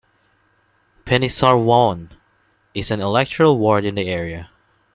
Penisarwaun is an electoral ward in the area.